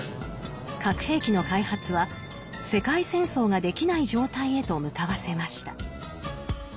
核兵器の開発は世界戦争ができない状態へと向かわせました。